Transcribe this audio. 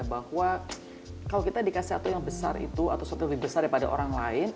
bahwa kalau kita dikasih satu yang besar itu atau sesuatu yang lebih besar daripada orang lain